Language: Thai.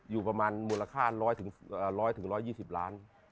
อยู่ประมาณมูลค่าร้อยถึง๑๒๐ล้าน